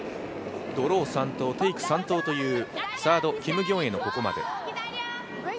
ドロー３投、テイク３投というサードキム・ギョンエのここまで。